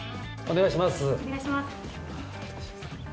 お願いします